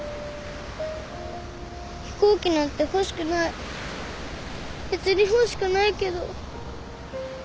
飛行機なんて欲しくない別に欲しくないけど。